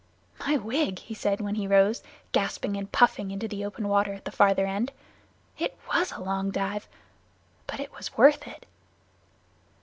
"My wig!" he said, when he rose, gasping and puffing, into open water at the farther end. "It was a long dive, but it was worth it."